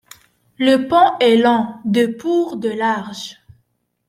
Le pont est long de pour de large.